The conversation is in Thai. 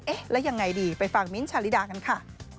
แล้วยังไงดีไปฟังมิ้นท์ชาลิดากันค่ะ